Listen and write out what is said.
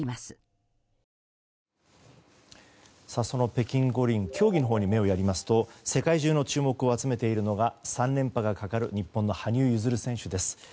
その北京五輪競技に目をやりますと世界中の注目を集めているのが３連覇がかかる日本の羽生結弦選手です。